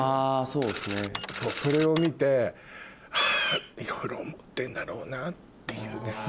そうそれを見てはぁいろいろ思ってんだろうなっていうね。